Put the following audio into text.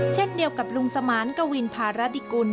เช่นเดียวกับลุงสมานกวินภารดิกุล